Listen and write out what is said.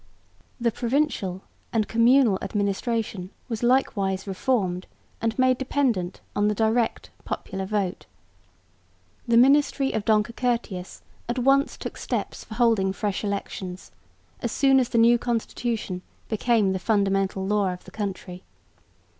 The provincial and communal administration was likewise reformed and made dependent on the direct popular vote. The ministry of Donker Curtius at once took steps for holding fresh elections, as soon as the new constitution became the fundamental law of the country.